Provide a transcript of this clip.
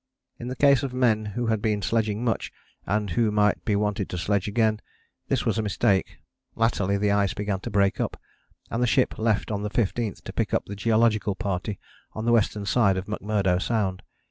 In the case of men who had been sledging much, and who might be wanted to sledge again, this was a mistake. Latterly the ice began to break up, and the ship left on the 15th, to pick up the Geological Party on the western side of McMurdo Sound.